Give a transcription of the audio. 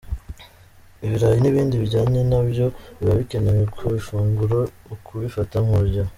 Ibirayi n’ibindi bijyanye na byo biba bikenewe ku ifunguro, ukabifata mu rugero.